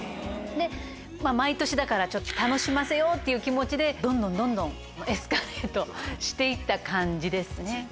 毎年だから楽しませようっていう気持ちでどんどんどんどんエスカレートして行った感じですね。